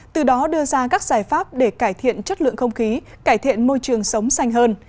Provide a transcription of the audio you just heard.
từ đó đưa ra các giải pháp để cải thiện chất lượng không khí cải thiện môi trường sống xanh hơn